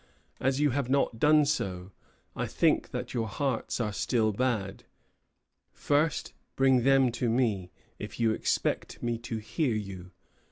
As you have not done so, I think that your hearts are still bad. First bring them to me, if you expect me to hear you.